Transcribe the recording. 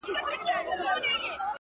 هغه اوس كډ ه وړي كا بل ته ځي _